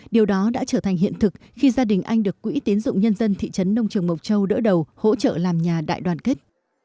điều đó đã trở thành hiện thực khi gia đình anh được quỹ tiến dụng nhân dân thị trấn nông trường mộc châu đỡ đầu hỗ trợ làm nhà đại đoàn kết